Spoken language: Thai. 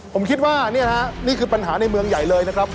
ผมคิดว่านี่นะฮะนี่คือปัญหาในเมืองใหญ่เลยนะครับ